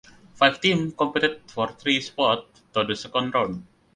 Five teams competed for three spots to the second round.